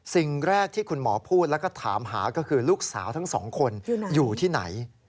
สิ่งแรกที่คุณหมอพูดแล้วก็ถามหาก็คือลูกสาวทั้งสองคนอยู่ที่ไหน